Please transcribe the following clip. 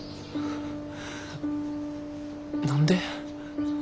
何で。